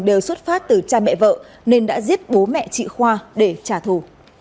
đều xuất phát từ cha mẹ vợ nên đã giết bố mẹ chị khoa để trả thù